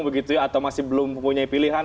begitu ya atau masih belum punya pilihan